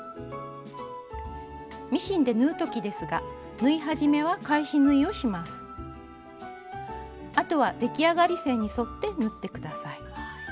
ミシンで縫う時ですがあとは出来上がり線に沿って縫って下さい。